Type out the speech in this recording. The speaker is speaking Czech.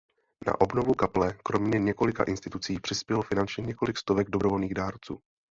Na obnovu kaple kromě několika institucí přispělo finančně několik stovek dobrovolných dárců.